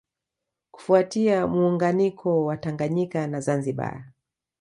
Kufuatia muunganiko wa Tanganyika na Zanzibar